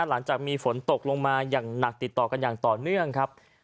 หลังจากมีฝนตกลงมาอย่างหนักติดต่อกันอย่างต่อเนื่องครับ